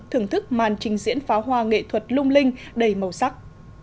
thưởng thức màn trình diễn pháo hoa nghệ thuật lung linh đầy màu sắc